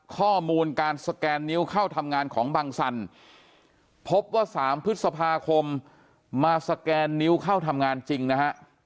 ข้อมูลการสแกนนิ้วเข้าทำงานของบังสันพบว่า๓พฤษภาคมมาสแกนนิ้วเข้าทำงานจริงนะฮะ